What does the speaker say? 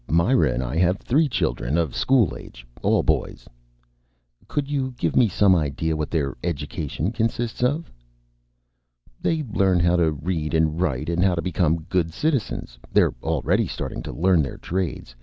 Myra and I have three children of school age. All boys." "Could you give me some idea what their education consists of?" "They learn how to read and write, and how to become good citizens. They're already starting to learn their trades.